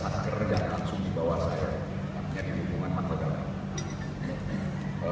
saya rasa kerja langsung dibawa saya ke lingkungan makodam sembilan udayana